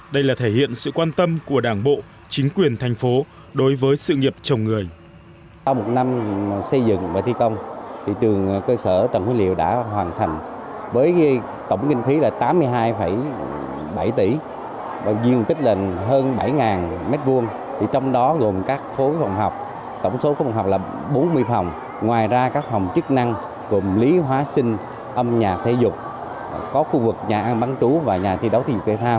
đây là thể hiện sự quan tâm của đảng bộ chính quyền thành phố đối với sự nghiệp chồng người